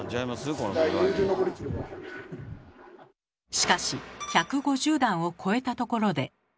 しかし１５０段を超えたところで。